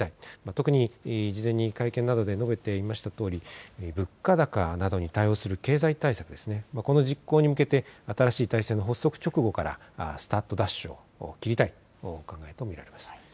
特に事前に会見などで述べていましたとおり物価高などに対応する経済対策、この実行に向けて新しい体制の発足直後からスタートダッシュを切りたい考えと見られます。